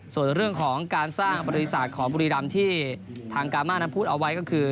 ส่วนเรื่องของการสร้างบริษัทของบุรีรำที่ทางกามานั้นพูดเอาไว้ก็คือ